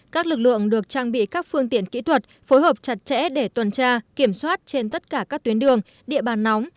các lực lượng được trang bị các phương tiện kỹ thuật phối hợp chặt chẽ để tuần tra kiểm soát trên tất cả các tuyến đường địa bàn nóng